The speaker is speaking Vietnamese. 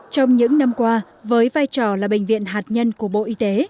trong những năm qua với vai trò là bệnh viện hạt nhân của bộ y tế